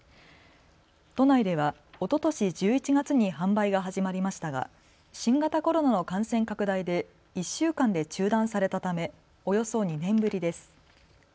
都内ではおととし１１月に販売が始まりましたが新型コロナの感染拡大で１週間で中断されたためおよそ２年ぶりです。